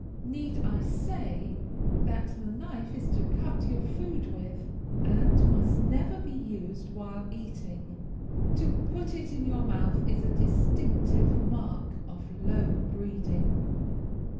Need I say that the knife is to cut your food with, and must never be used while eating? To put it in your mouth is a distinctive mark of low breeding.